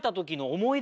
思い出？